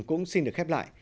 cũng xin được khép lại